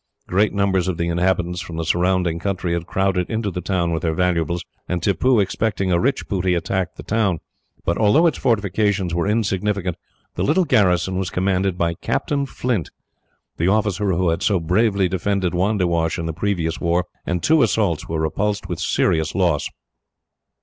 Great numbers of the inhabitants from the surrounding country had crowded into the town with their valuables, and Tippoo, expecting a rich booty, attacked the town; but although its fortifications were insignificant, the little garrison was commanded by Captain Flint, the officer who had so bravely defended Wandiwash in the previous war, and two assaults were repulsed with serious loss.